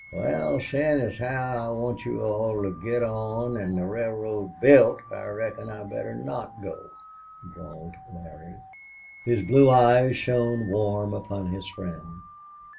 "Wal, seein' as how I want you all to get on an' the rail road built, I reckon I'd better not go," drawled Larry. His blue eyes shone warm upon his friend.